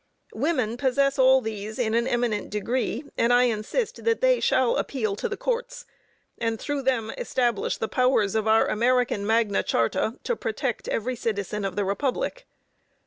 Women possess all these in an eminent degree, and I insist that they shall appeal to the courts, and through them establish the powers of our American magna charta, to protect every citizen of the Republic.